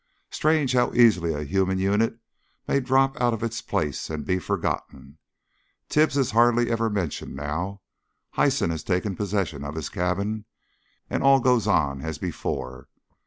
Strange how easily a human unit may drop out of its place and be forgotten! Tibbs is hardly ever mentioned now; Hyson has taken possession of his cabin, and all goes on as before.